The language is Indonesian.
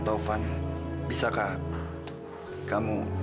dari siapa ya